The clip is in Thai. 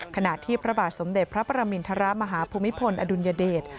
ขณะที่พระบาทสมเด็จพระประมินทรมาฮภูมิพลอดุลยเดช